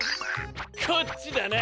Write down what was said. こっちだな。